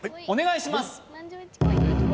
お願いします